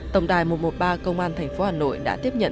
tổng đài một trăm một mươi ba công an tp hà nội đã tiếp nhận